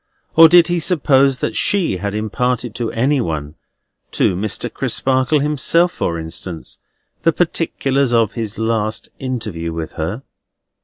or did he suppose that she had imparted to any one—to Mr. Crisparkle himself, for instance—the particulars of his last interview with her?